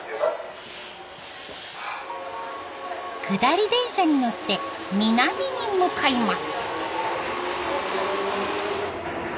下り電車に乗って南に向かいます。